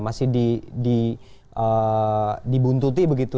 masih di di eh dibuntuti begitu